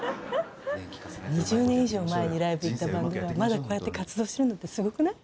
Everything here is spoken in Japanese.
２０年以上前にライブ行ったバンドがまだこうやって活動してるのってすごくない？